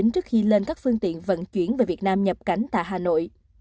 trước khi lên các phương tiện vận chuyển về việt nam nhập cảnh tại hà nội